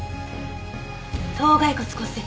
頭蓋骨骨折。